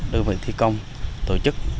đơn vị thi công tổ chức